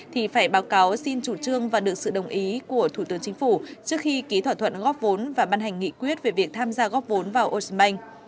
thì phải báo cáo xin chủ trương và được sự đồng ý của thủ tướng chính phủ trước khi ký thỏa thuận góp vốn và ban hành nghị quyết về việc tham gia góp vốn vào ocean bank